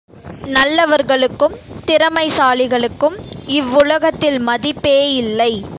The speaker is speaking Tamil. நல்லவர்களுக்கும் திறமைசாலிகளுக்கும், இவ்வுலகத்தில் மதிப்பே யில்லை.